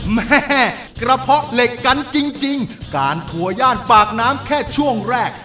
แม่กระเพาะเหล็กกันจริงการทัวย่านปากน้ำแค่ช่วงแรก